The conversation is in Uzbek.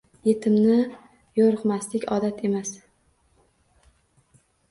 Yetimni yoqirmaslik odat emas.